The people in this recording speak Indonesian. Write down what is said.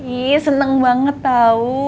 ih seneng banget tau